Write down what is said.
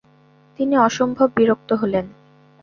তিনি অসম্ভব বিরক্ত হলেন।